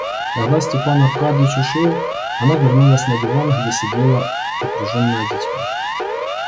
Когда Степан Аркадьич ушел, она вернулась на диван, где сидела окруженная детьми.